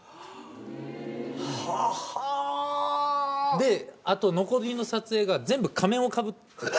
であと残りの撮影が全部仮面をかぶって。